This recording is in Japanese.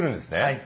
はい。